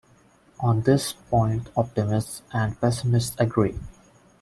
On this point optimists and pessimists agree.